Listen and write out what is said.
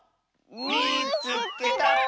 「みいつけた」！